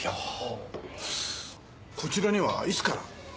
こちらにはいつから？